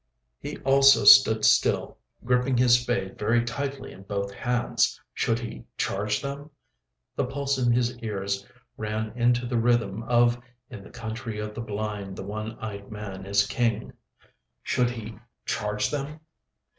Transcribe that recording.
He also stood still, gripping his spade very tightly in both hands. Should he charge them? The pulse in his ears ran into the rhythm of "In the Country of the Blind the One Eyed Man is King." Should he charge them?